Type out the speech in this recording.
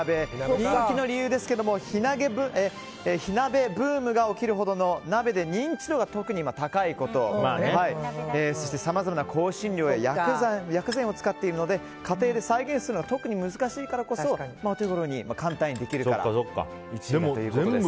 人気の理由ですが、火鍋ブームが起きるほどの鍋で認知度が今特に高いことそして、さまざまな香辛料や薬膳を使っているので家庭で再現するのが特に難しいからこそお手ごろに簡単にできるから１位ということです。